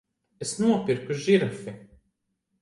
Es nopirku žirafi!